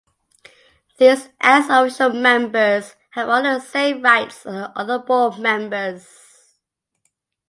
These ex-officio members have all the same rights as the other board members.